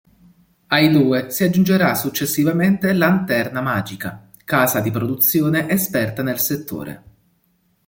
Ai due si aggiungerà successivamente Lanterna Magica, casa di produzione esperta nel settore.